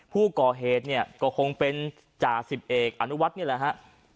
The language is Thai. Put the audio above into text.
ผู้ก่อเหตุก็คงเป็นจาศิษย์เอกอนุวัตินี่แหละ